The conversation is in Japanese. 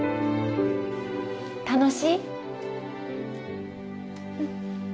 楽しい？